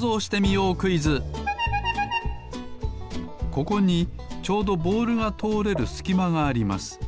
ここにちょうどボールがとおれるすきまがあります。